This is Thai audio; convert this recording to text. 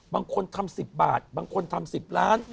บางคนทำสิบบาทบางคนทำสิบล้าน